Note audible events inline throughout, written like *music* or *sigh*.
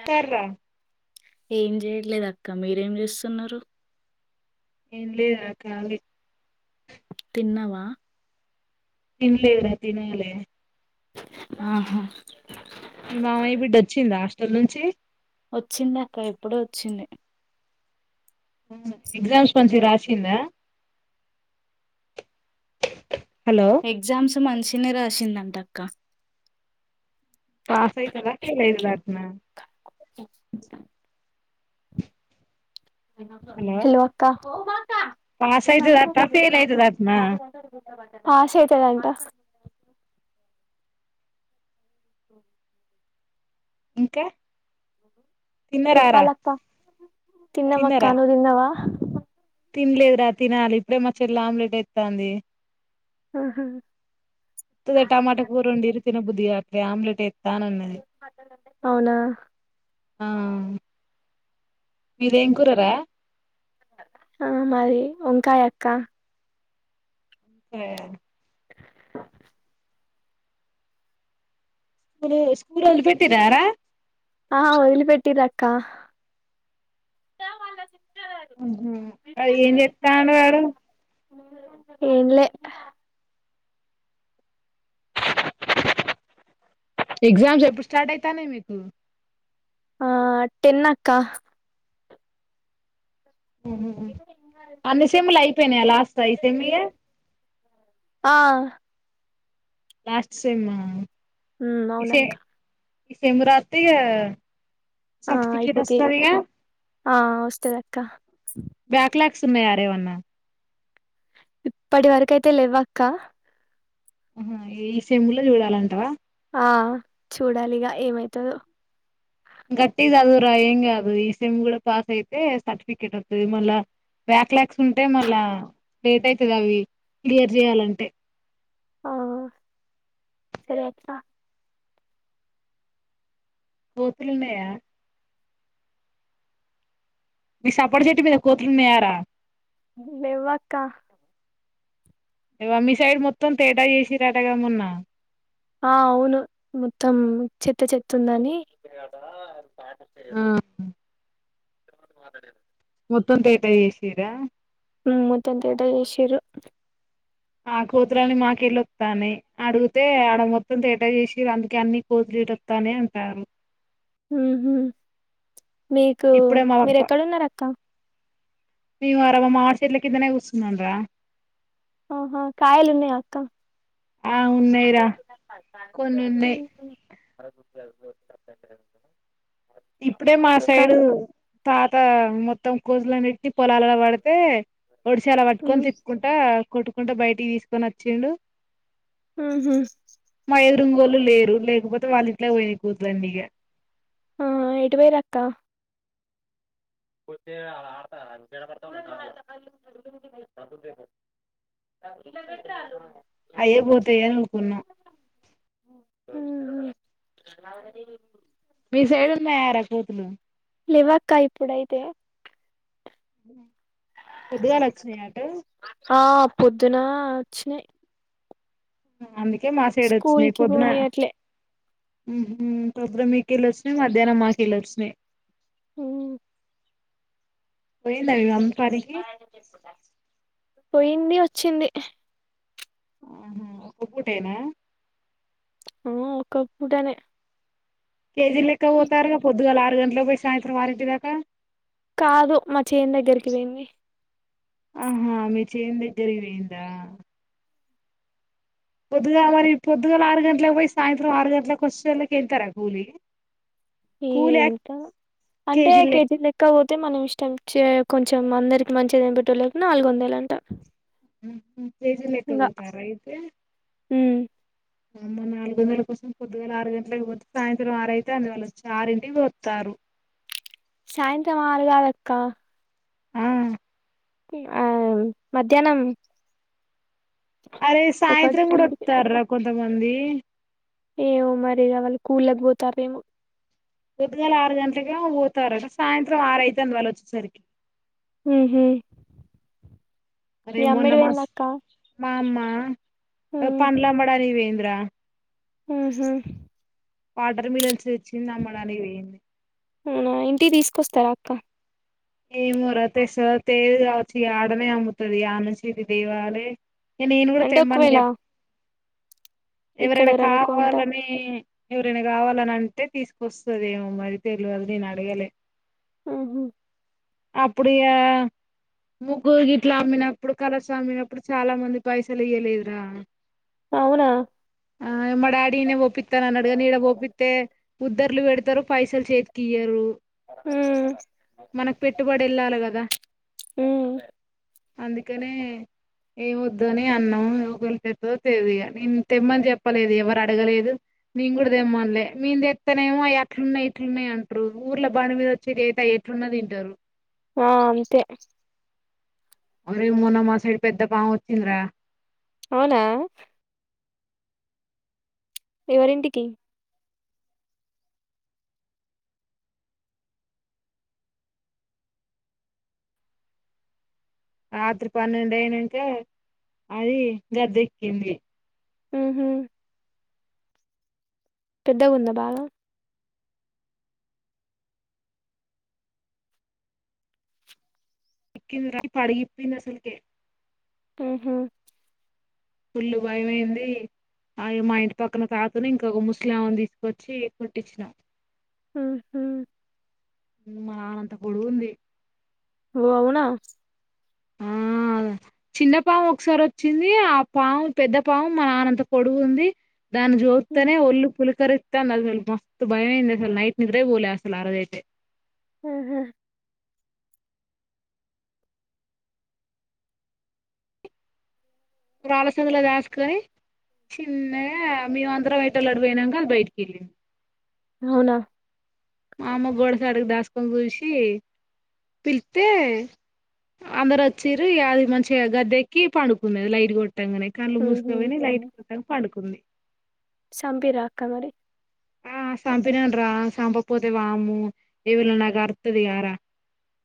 స్తార్రా ఏం చేయట్లేదు అక్క మీరేం చేస్తున్నారు ఏం లేదురా కాలి తిన్నవా తినలేదురా తినాలే ఆహా మీ మామయ్య బిడ్డ వచ్చిందా హస్టల్ నుంచి వచ్చిందక్క ఎప్పుడో వచ్చింది ఎగ్జామ్స్ మంచిగ రాసిందా హలో ఎగ్జామ్స్ మనిషి నె రాసిందంట అక్క పాసయితుదా ఫేలైతదటనా హలో అక్క పాస్ అయితదట్నా ఫెయిల్ అయితదట్నా పాసైతదంట ఓ ఇంకా తిన్నరారా చెప్పాలక్క తిన్నరా తిన్నమక్కనువు తిన్నవా తినలేదురా తినాలి ఇప్పుడే మ చెల్లి ఆమ్లెట్ ఎస్తాంది ఆ.. హా టమాట కూర వండిర్రు తినబుద్ది కాలె ఎ ఆమ్లెట్ ఎత్ అవునా ఆ మీదేంకూరరా ఆ మదీ వంకాయ అక్క ఏ స్కూల్ స్కూల్ వదలి పెట్టీరార ఆ వదిలి పెట్టిర్రు ఆక్క మ్..... హుమ్ ఏం చెత్తాండు వాడు ఏంలే ఎగ్జామ్స్ ఎప్పుడు స్టార్ట్ అయితానయ్ మీకు ఆ టెన్ అక్క అన్ని సెమ్లు అయిపోయినాయా లాస్ట్ ఆయితె మియ్యి ఆ లాస్ట్ సెమ్ ఆ ఉమ్... అవునక్క ఈ సెమ్ రాత్తె ఇగ ఆ సర్టిఫికేట్ అయిపోతాయి వస్తదిగా ఆ వస్తది అక్క బ్యాక్ లాగ్స్ ఉన్నాయా ఏ వన్న ఇప్పటి వరక అయితే లెవ్వక్క ఈ సెమ్ లో చూడాలంటవా ఆ చూడాలిగా ఏమైతదో గట్టి చదువు రా ఏం కాదు ఈ సెమ్ కూడా పాస్ అయితే సర్టిఫికెట్ వస్తది మళ్ళా బ్యాక్ లాగ్స్ ఉంటే మళ్ళా లేట్ అయితది అవి క్లియర్ చేయాలంటే ఆ.. సరే వత్త కోతులు ఉన్నాయా మీ సపోటా చెట్టు మీద కోతులు ఉన్నాయారా లేవ్వక్క ఇవ మీ సైడ్ మొత్తం తేటా చేసిర్రుటగా మొన్న ఆ అవును మొత్తం చెత్త చెత్తుందని ఆ మాట్లాడరు గుత్తొంకాయైతే చేసిర్రా మ్ మొత్తం తేటా చేసిరు ఆ కోతులన్ని మాకెళ్ళొత్తానాయ్ అడుగుతే ఆడ మొత్తం తేటా చేసిర్ అందుకే అన్ని కోతులిటొత్తానాయ్ అంటారు మ్ హూ మీకు ఇప్పుడే మీరెక్కడున్నరక్కా మేము అరవ మా చెట్లు కిందనే కూర్చున్నాం రా ఆహా కాయలున్నయా అక్క ఆ ఉన్నాయి రా కొన్ని ఉన్నాయి మర *unintelligible* ఇప్పుడే మా సైడు తాత మొత్తం కోజులన్నిట్టి పొలాలలో పడితే ఒడిశాల పట్టుకొని హ్మ్ తిప్పుకుంటా కొట్టుకుంటా బయటికి తీసుకనొచ్చిండు ఊహూ రుంగోలు లేరు లేకపోతే వాళ్ళింట్లకు పోయినయి కోతులన్నీ ఇగ ఆ ఎట్టు పోయిర్రు ఆక్క తే అ అయ్యే పోతాయ్ అని ఊకున్నా ఊహూ మీ సైడ్ ఉన్నాయా రా కోతులు లేవ్వక్కా ఇప్పుడైతే పొద్దుగా లొచ్చినయట ఆ పొద్దున వచ్చినాయి అందుక్ కే స్కూల్ మాసైడొచ్చినయి కి పొద్దున్న పోనీయట్లే ఊహూ టబ్బుడు మీకెళ్ళొచ్చినయి మధ్యాహ్నం మాకెళ్ళొచ్చినయి ఊ పోయిందనీ అమ్ పడా పొయ్యింది వచ్చింది ఆహ ఒక్క పూటేనా ఆ ఒకప్పుటనే కేజీ ల్లెక్క పోతారుగా పొద్దుగాల ఆరుగన్ లో బొయ్ సాయంత్రం ఆరింటి దాకా కాదు మా చేన్ దగ్గరికి పోయింది ఆహా మీ చేన్ దగ్గరికి పోయిందా పొద్దుగా మరి పొద్దుగాల ఆరు గంటలకుకి పోయి సాయంత్రం ఆరు గంటలకు వచ్చేళ్ళకి ఎంతరా కూలి ఏ కూలి ఏంత అంటే కేజీ లెక్క పోతు తే మనం ఇష్టం కొంచెం అందరికి మంచిదిద ఏం పెట్టలేకు నాలుగు వందేలు అంట ఉమ్ ఉమ్ చేజలే ఇంగా తగుతారా అయితే ఉమ్ అమ్మ నాలుగు గందల కోసం కొద్దిగాేల ఆరు గంటలకుకి పోతే సాయంత్రం ఆరైతే అందువల్ళు వచ్చి ఆరింటికి వస్తారు సాయంత్రం ఆరుగాదక్క ఆ ఆ మధ్యాహ్నం అరే సాయంత్రం కూడా ఒకటింటికి ఒకతార కొం తమంది ఏమో మరి ఇగా వాళు కూలకపోతారమో పోద్గాలు ఆరు గంటలుకి ఎమో పోతారట సాయంత్రం ఆరుయితుంది వాళ్ళు వచ్చేసరికి ఉహుమ్ మీ అమ్మ ఎడికి పోయింది అక్క ఆ పంల పడానికి వేంది దా ఉహుమ్ వాటర్ మీలన్స్ వచింది మ డాడీ ది అవునా ఇంటి తీసుకొస్తారా అక్క ఏమ ర తెశ తేజ కావచ్చు ఈ ఆడనే అమ్ముతది ఆడనుంచి ఈడ తేవాలె ఏ నేను కూడా అంటే తెమ్మని ఒకవేళ చెప్ప ఇక్కడ ఎవరైనా కొంటా కావాలని ఎవరైనా కావాలని అంటే తీసుకొస్తుదేమో మరి తెలివదు నేను అడగాలే ఆహ అప్పుడు ఇగా ముగ్గు గిట్లా అమ్మినప్పుడు కలస అమ్మినప్పుడు చాలా మంది పైసలు ఇయలేదురా అవునా ఆ మా డాడీనే ఒప్పిత్తా అన్నాడు గాని ఈడ ఒప్పిత్తే ఉద్దరులు పెడతారు పైసలు చేతికి ఇయ్యరు ఉమ్ మనకు పెట్టుబడి వెళ్ళాలి కదా ఉమ్ అందుకనే ఏమ వద్దు అని అన్నాం యువకుల చెద్దో తెదు నేను తెమ్మని చెప్పలేదు ఎవరు అడగలేదు నేను కూడా తెమ్మలే నేను తెస్తానేమోవి అట్లున్నాయి ఇట్లున్నాయి అంటారు ఊర్ల బాణ మీద వచ్చి అయి ఇపుడునా తింటారు ఆ అంతే అరే మొన్నమ్ మా సైడ్ పెద్ద పామ్ వచ్చిందరా అవునా ఎవరింటికి రాత్రి పన్నెండు అయినాక అది గద్దెక్కింది ఉహుమ్ పెద్దగుందా బాగా ఎక్కింది పడిగిప్పింది అసలుకే అహా పుళ్ల్ళు భయమైంది ఆ మా ఇంటి పక్కన తాతని ఇంకొక ముస్లిఆమెను తీసుకొచ్చి కొట్టించినా ఊహూ మానంత పొడువు ఉంది ఓ అవునా ఆ చిన్న పాము ఒకసారి వచ్చింది ఆ పాము పెద్ద పాము మా నాన్నంత పొడుగు ఉంది. దాన్ని ఉమ్. చూత్తేనే ఒల్లు పులు కరుత్తాందసలు మస్తు భయమైంది అసలు నైట్ నిద్రే పోలే అసలు ఆరోజైతే. ఆహా *unintelligible* ఆలసందలో దాసుకొని చిన్నగా మేము అందరం ఎటోళ్ళు అటు పోయినాక అది బయటికి తిరిగింది. అవునా మా అమ్మ గోడసాటుకి దాసుకొని చూసి పిలిత్తె అందరు వచ్చిరు అది మంచిగా గద్దె ఎక్కి పడుకుంది లైట్ కొట్ పట్టంగనే కళ్ళు ఉహు మూసుకపోయినాయి లైట్ కొట్టగ పడుకుంది చంపి రా అక్క మరి ఆ చంపినాను రా చంపపోతే వామ్మో ఎవళనన్నా కరుత్తాదిగా రా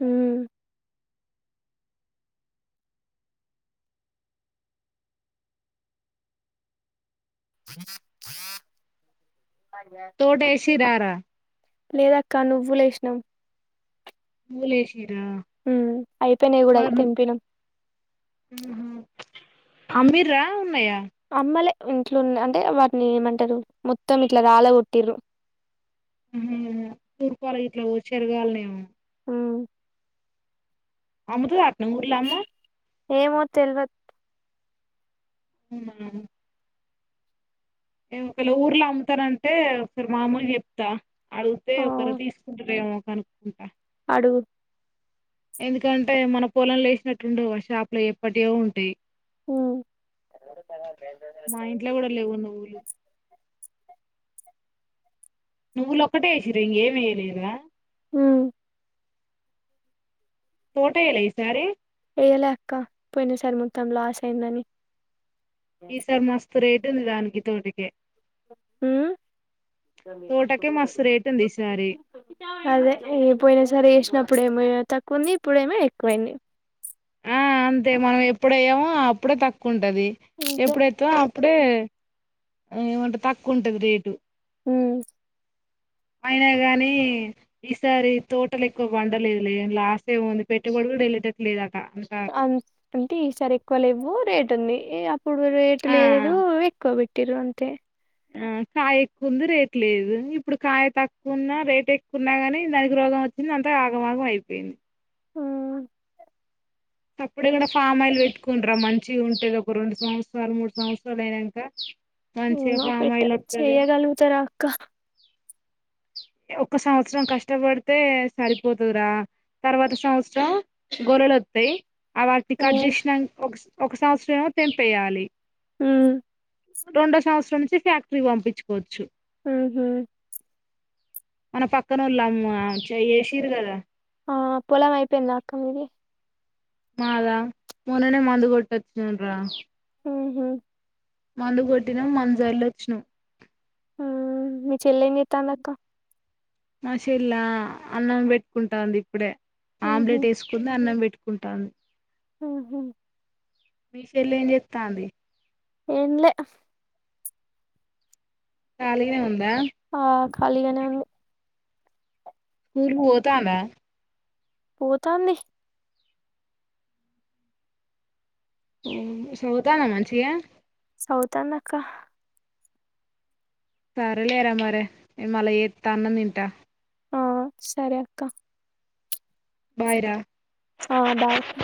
హ్మ్ పన్న క తోట ఎసిరారా లేదక్క నువ్వు లేసినం పూలేసి హ్మ్ అయిపోయినాయి కూడా అయి తెంపినం. అమ్మిర్రా ఉన్నాయా అమ్మలే ఇంట్ల ఉన్నాయి అంటే వాటిని ఏమంటారు మొత్తం ఇట్లా రాల గొట్టిర్రు హ్మ్ తూర్పల ఇట్లా చెరగాలనేమో ఉమ్ అమ్ముతుదా ఆటిని ఊర్లో అమ్మ ఏమో తెల్వదు హ్మ్ మ్మ్ ఏ ఒకళ ఊర్లో అమ్ముతా అంటే ఒకసారి మా అమ్మకి చెప్తా అడిగితే ఆ ఒకరు తీసుకుంటారేమో కనుక్కుంటా అడుగు ఎందుకంటే మన పొలం లో లేసినట్టుండవు షాపు లో ఎప్పటియో ఉంటాయి ఉమ్ మా ఇంట్లో కూడా లేవు నువ్వులు నువ్వులు ఒక్కటే వేసిర ఇంగ ఏమి వేయలేదా హ్మ్ ఫోటో ఈయల ఈ సారి వేయల అక్క పోయిన సారి మొత్తం లాస్ అయిందని ఈసారి మస్త్ రేట్ ఉంది దానికి తోటి ఏ హ్మ్ తోటకే మస్తు రేటు ఉంది ఈసారి అదే పోయినా సారి ఏసినప్పు ఇప్పుడేమయో తక్కువుంది ఇప్పుడేమో ఎక్కువైంది ఆ అంతే మనం ఎప్పుడ అయ్యామో అప్పుడే తక్కు ఉంటది అంతే ఎప్పుడైతే అప్పు ప్పుడే ఏమంటే తక్కువ ఉంటది రేటు హు అయినా గాని ఈసారి తోటలు ఎక్కువ పండలేదు లే లాస్ ఏమింది పెట్టుబడీ కూడా వెళ్ళటట్ లేదు అక్ అం అంటే ఈ సారి ఎక్కువ లేవు రే ట్ ఉంది అప్పుడు రేట్ ఆ లేదు ఎక్కబట్టిరు అంతే ఆ కాయ ఎక్కువంది రేట్ లేదు ఇప్పుడు కాయ తక్కువ ఉన్నా రేట్ ఎక్కువన్నా కాని దానికి రోగం వచ్చింది అంతా ఆగమాగం అయిపోయింది హు అప్పుడే కాడా ఫామ్ అయిలు పెట్టుకుంటరా మంచిగా ఉంటది ఒక రెండు సంవత్సరాలు మూడు సంవత్సరాలు అయినాక మంచిగా ఏమె ఫామ్ పెట్ట ఆయిల్ వత్తది చేయ్యగలుగుతార అక్క ఒక సంవత్సరం కష్టపడితే సరిపోతదిరా తర్వాత సంవత్సరం గోలలు వస్తయి ఆవి అట్టి గా కట్ మ్మ్ చేసినాక్ ఒక సా ఒక సంవత్సరం ఏమె తేంపేయాలి మ్మ్ రెండో సంవత్సరం నుంచి ఫ్యాక్టరీ పంపించుకోవచ్చు హు హ్మ్ మన పక్కనోళ్ళ అమ్మ చే ఏసీరు కదా ఆ పొలం అయిపోయిందా అక్క మీది మాదా మోననే మందు కొట్టిచ్చనామ్ రా ఆ హా మందు కొట్టినం మందు జల్లు వచ్చినాం ఆ మి చెల్లి ఏం చెత్తంది అక్క మ షేల్లా అన్నం పెట్టుకుంటాంది ఇప్పుడే మ్హూ ఆమ్లెట్ వేసుకుంది అన్నం పెట్ కుంటాన్ ఆ హా మీ షెల్లీ ఏం చేత్తాంది ఏం లే కాలిగనే ఉన్ ఆ ఖాళీగానే ఉంది కూలికి పోతాందా పోతాంది ఓ సౌతానా మంచిగా సౌతాంది అక్క సరే లే రా మరి నేన్ మళ ఏత్తా అన్నం తింటా ఆ సరే అక్క బాయి రా ఆ బాయి అక్క